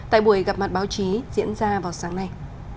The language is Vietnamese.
tại buổi gặp mặt báo chí diễn ra vào sáng nay